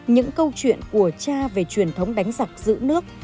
những câu chuyện của cha về truyền thống đánh giặc giữ nước